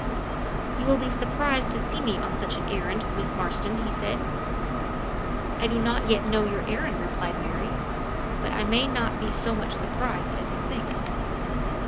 "You will be surprised to see me on such an errand, Miss Marston!" he said. "I do not yet know your errand," replied Mary; "but I may not be so much surprised as you think."